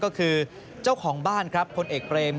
ก็คือเจ้าของบ้านคนเอกบริม